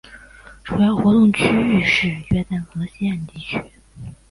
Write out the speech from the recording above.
主要活动区域是约旦河西岸地区。